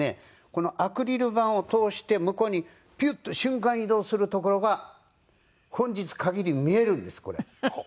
このアクリル板を通して向こうにピュッと瞬間移動するところが本日限り見えるんですこれ。